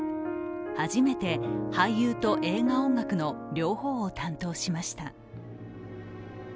初めて俳優と映画音楽の両方を担当しました。